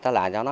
đó là cho nó